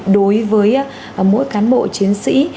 đối với mỗi cán bộ chiến sĩ